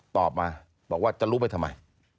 ตอบมาบอกว่าจะรู้ไปทำไม